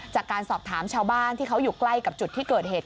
จากการสอบถามชาวบ้านที่เขาอยู่ใกล้กับจุดที่เกิดเหตุ